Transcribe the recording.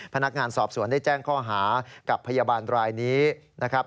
พนักงานสอบสวนได้แจ้งข้อหากับพยาบาลรายนี้นะครับ